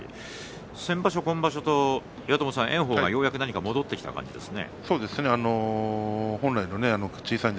先場所、今場所と炎鵬がようやく戻ってきた感じですね。